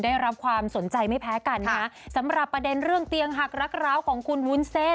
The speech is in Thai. ได้รับความสนใจไม่แพ้กันนะคะสำหรับประเด็นเรื่องเตียงหักรักร้าวของคุณวุ้นเส้น